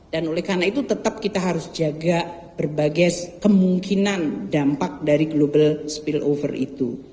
dan oleh karena itu tetap kita harus jaga berbagai kemungkinan dampak dari global spillover itu